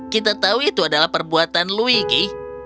kita tahu itu adalah perbuatan luigi